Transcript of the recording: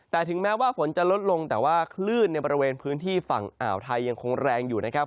แต่ถึงแม้ว่าฝนจะลดลงแต่ว่าคลื่นในบริเวณพื้นที่ฝั่งอ่าวไทยยังคงแรงอยู่นะครับ